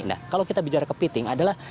nah kalau kita bicara kepiting adalah